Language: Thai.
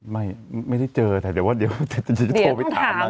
ไม่ไม่ได้เจอแต่เดี๋ยวจะโทรไปถาม